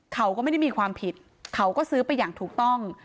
เขาก็ไม่ได้มีความผิดเขาก็ซื้อไปอย่างถูกต้อง